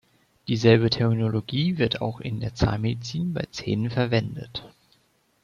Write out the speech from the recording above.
Dieselbe Terminologie wird auch in der Zahnmedizin bei Zähnen verwendet.